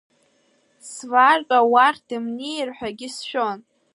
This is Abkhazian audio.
Свартәа уахь дымнеир ҳәагьы сшәон.